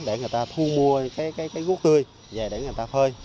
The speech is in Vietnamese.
để người ta thu mua cái gút tươi về để người ta phơi